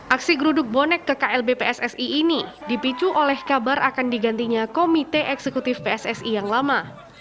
aksi geruduk bonek ke klb pssi ini dipicu oleh kabar akan digantinya komite eksekutif pssi yang lama